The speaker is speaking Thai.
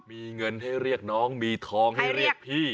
มีเงินให้เรียกน้องมีทองให้เรียกพี่